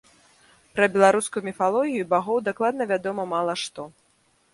Пра беларускую міфалогію і багоў дакладна вядома мала што.